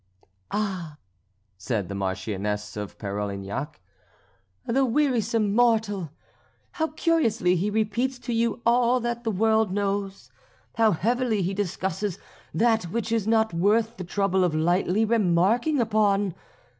"Ah!" said the Marchioness of Parolignac, "the wearisome mortal! How curiously he repeats to you all that the world knows! How heavily he discusses that which is not worth the trouble of lightly remarking upon!